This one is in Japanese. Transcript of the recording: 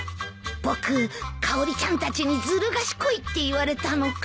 僕かおりちゃんたちにずる賢いって言われたのか。